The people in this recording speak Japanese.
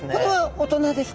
大人です。